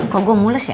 kok gue mulus ya